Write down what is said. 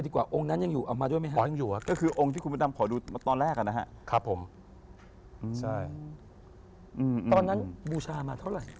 ตอนนั้นบูชามาเท่าไหร่